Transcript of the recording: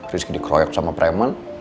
rizky dikroyok sama preman